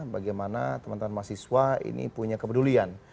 bagaimana teman teman mahasiswa ini punya kepedulian